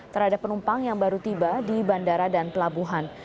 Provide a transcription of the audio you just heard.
terhadap penumpang yang baru tiba di bandara dan pelabuhan